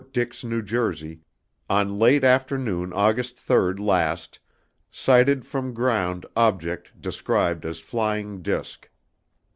DIX, NJ ON LATE AFTERNOON AUGUST THIRD LAST SIGHTED FROM GROUND OBJECT DESCRIBED AS FLYING DISC.